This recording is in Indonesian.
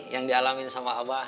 yang dialamin sama abah